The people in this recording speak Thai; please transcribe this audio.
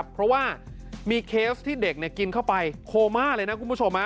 เพราะว่ามีเคสที่เด็กกินเข้าไปโคม่าเลยนะคุณผู้ชม